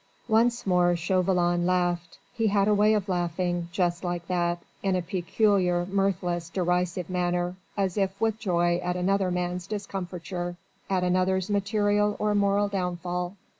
Once more Chauvelin laughed. He had a way of laughing just like that in a peculiar mirthless, derisive manner, as if with joy at another man's discomfiture, at another's material or moral downfall.